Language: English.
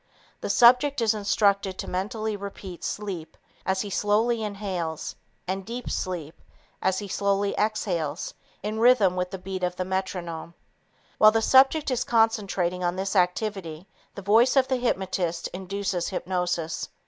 The subject is instructed to mentally repeat "sleep" as he slowly inhales and "deep sleep" as he slowly exhales in rhythm with the beat of the metronome. While the subject is concentrating on this activity, the voice of the hypnotist induces hypnosis.